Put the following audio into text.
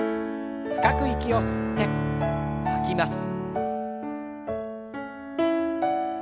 深く息を吸って吐きます。